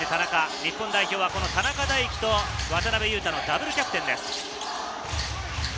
日本代表は田中大貴と、渡邊雄太のダブルキャプテンです。